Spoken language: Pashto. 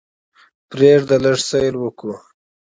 پریږده لږ سیل وکړو.